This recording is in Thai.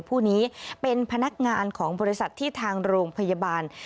ผู้นี้เป็นพนักงานของบริษัทที่ทางโรงพยาบาล